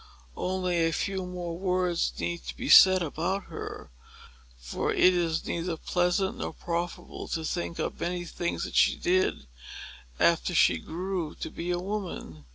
Only a few more words need be said about her; for it is neither pleasant nor profitable to think of many things that she did, after she grew to be a woman.